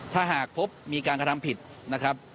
ถ้าหากพบมีการกระทำผิดนะครับ